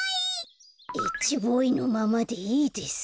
Ｈボーイのままでいいです。